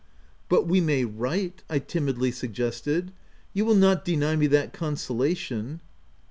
144 THE TENANT " But we may write," I timidly suggested —" You will not deny me that consolation